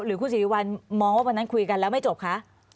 หรือคุณสิริวัลมองว่าวันนั้นคุยกันแล้วไม่จบคะ